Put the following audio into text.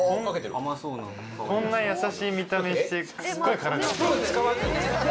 こんな優しい見た目してすっごい辛い